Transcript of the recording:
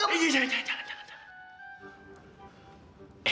eh jangan jangan jangan jangan